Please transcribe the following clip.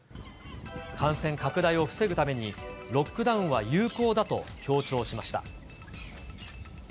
感染拡大を防ぐために、ロックダウンは有効だと強調しました。